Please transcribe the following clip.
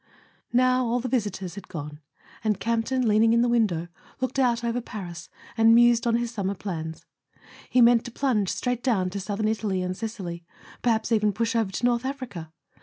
Now all the visitors had gone, and Camp ton, lean¬ ing in the window, looked out over Paris and mused on his summer plans. He meant to plunge straight down to Southern Italy and Sicily, perhaps even push over to North Africa.